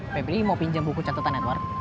febri mau pinjam buku catatan edward